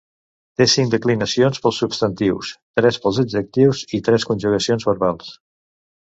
Té cinc declinacions pels substantius: tres pels adjectius i tres conjugacions verbals.